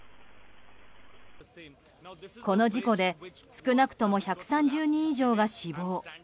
この事故で少なくとも１３０人以上が死亡。